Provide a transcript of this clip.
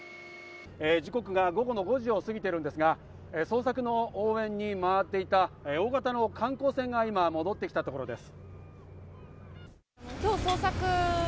時刻が午後５時を過ぎていますが、捜索の応援に回っていた大型の観光船が今、戻ってきたところです。